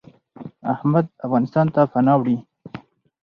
احمد افغانستان ته پناه وړي .